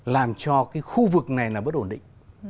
làm cho cái khu vực này là bất ổn định